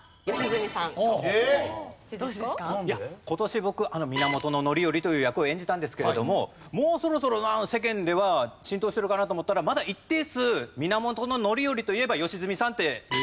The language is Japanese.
今年僕源範頼という役を演じたんですけれどももうそろそろ世間では浸透してるかなと思ったらまだ一定数源範頼といえば良純さんっておっしゃる方がいらっしゃって。